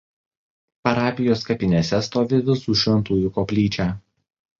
Parapijos kapinėse stovi Visų Šventųjų koplyčia.